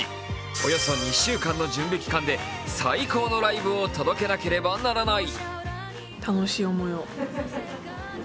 およそ２週間の準備期間で最高のライブを届けなければならない。